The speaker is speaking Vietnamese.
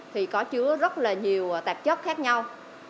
thì có chứa rất là nhiều tạp chất khác nhau